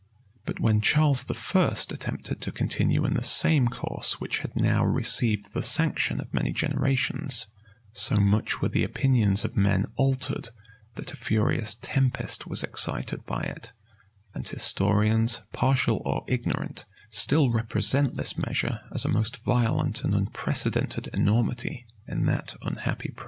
But when Charles I. attempted to continue in the same course which had now received the sanction of many generations, so much were the opinions of men altered, that a furious tempest was excited by it; and historians, partial or ignorant, still represent this measure as a most violent and unprecedented enormity in that unhappy prince.